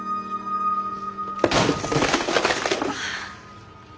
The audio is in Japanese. ああ。